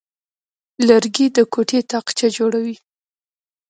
لرګی د کوټې تاقچه جوړوي.